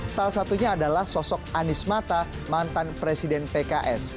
salah satunya adalah sosok anies mata mantan presiden pks